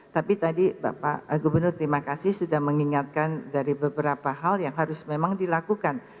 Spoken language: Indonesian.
tapi tadi bapak gubernur terima kasih sudah mengingatkan dari beberapa hal yang harus memang dilakukan